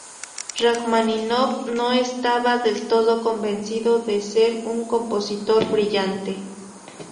Rajmáninov no estaba del todo convencido de ser un compositor brillante.